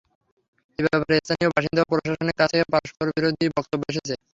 এ ব্যাপারে স্থানীয় বাসিন্দা ও প্রশাসনের কাছ থেকে পরস্পরবিরোধী বক্তব্য এসেছে।